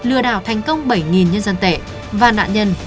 lừa đảo thành công bảy nhân dân tệ và nạn nhân